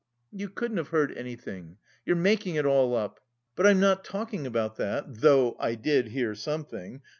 "You couldn't have heard anything. You're making it all up!" "But I'm not talking about that (though I did hear something).